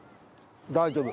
大丈夫。